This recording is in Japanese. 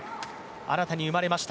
新たに生まれました